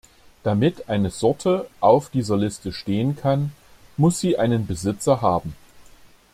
Damit eine Sorte auf dieser Liste stehen kann, muss sie einen Besitzer haben.